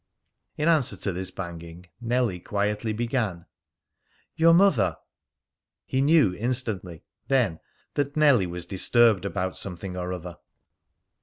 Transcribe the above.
In answer to this banging, Nellie quietly began: "Your mother " (He knew instantly, then, that Nellie was disturbed about something or other.